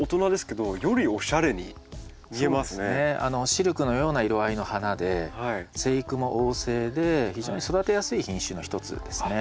シルクのような色合いの花で生育も旺盛で非常に育てやすい品種の一つですね。